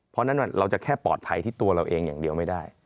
เพราะฉะนั้นเราจะแค่ปลอดภัยที่ตัวเราเองอย่างเดียวไม่ได้